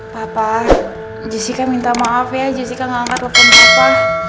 papa jessica minta maaf ya jessica nggak angkat telepon papa